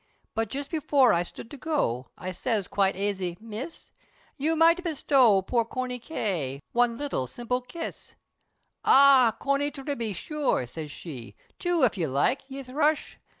But just before I stood to go, I siz quite aisy "Miss, You might bestow poor Corney K. One little simple kiss." "Ah! Corney tibbey, sure," said she, "Two if ye like, ye thrush!"